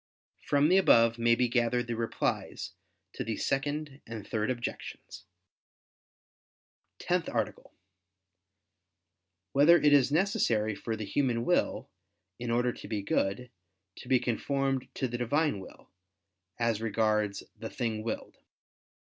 From the above may be gathered the replies to the Second and Third Objections. ________________________ TENTH ARTICLE [I II, Q. 19, Art. 10] Whether It Is Necessary for the Human Will, in Order to Be Good, to Be Conformed to the Divine Will, As Regards the Thing Willed?